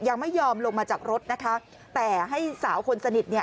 ยังไม่ยอมลงมาจากรถนะคะแต่ให้สาวคนสนิทเนี่ย